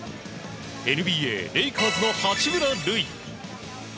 ＮＢＡ、レイカーズの八村塁。